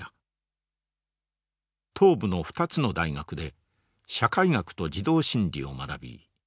東部の２つの大学で社会学と児童心理を学び